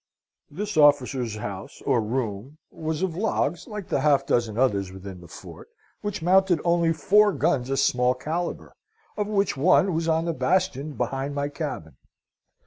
"This officers' house, or room, was of logs like the half dozen others within the fort, which mounted only four guns of small calibre, of which one was on the bastion behind my cabin.